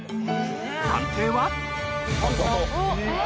判定は？